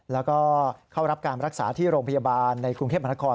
แล้วก็เข้ารับการรักษาที่โรงพยาบาลในกรุงเทพมหานคร